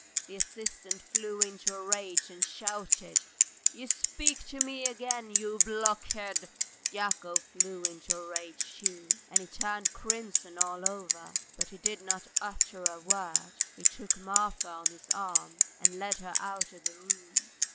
The assistant flew into a rage and shouted: "You speak to me again! You blockhead. ..." Yakov flew into a rage too, and he turned crimson all over, but he did not utter a word. He took Marfa on his arm and led her out of the room.